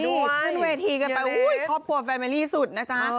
นี่ขึ้นเวทีกันไปอุ้ยครอบครัวแฟเมรี่สุดนะจ๊ะ